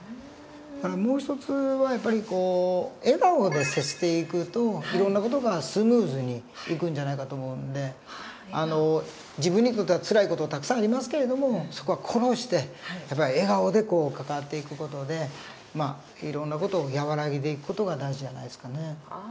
もう一つはやっぱり笑顔で接していくといろんな事がスムーズにいくんじゃないかと思うんであの自分にとってはつらい事たくさんありますけれどもそこは殺してやっぱり笑顔で関わっていく事でまあいろんな事を和らげていく事が大事じゃないですかね。